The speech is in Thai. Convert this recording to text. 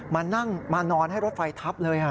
มานั่งมานอนให้รถไฟทับเลย